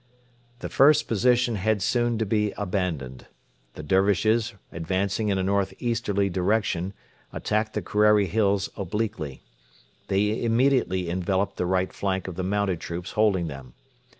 The first position had soon to be abandoned. The Dervishes, advancing in a north easterly direction, attacked the Kerreri Hills obliquely. They immediately enveloped the right flank of the mounted troops holding them.